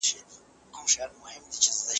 انګریزان غواړي چي په کابل کي واکمن وي.